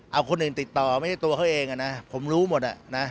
เอาคนอื่นติดต่อไม่ใช่ตัวเขาเองนะผมรู้หมด